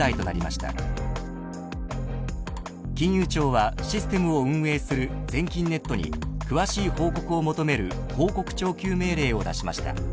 ［金融庁はシステムを運営する全銀ネットに詳しい報告を求める報告徴求命令を出しました］